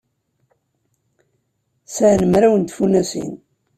Sɛan mraw n tfunasin.